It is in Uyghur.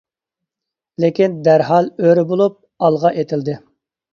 لېكىن دەرھال ئۆرە بولۇپ ئالغا ئېتىلدى.